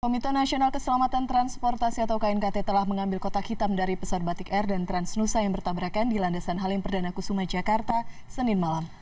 komite nasional keselamatan transportasi atau knkt telah mengambil kotak hitam dari pesawat batik air dan transnusa yang bertabrakan di landasan halim perdana kusuma jakarta senin malam